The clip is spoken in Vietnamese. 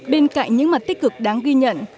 bên cạnh những mặt tích cực đáng ghi nhận